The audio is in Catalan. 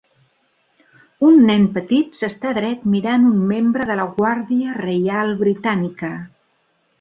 Un nen petit s'està dret mirant un membre de la Guàrdia Reial Britànica.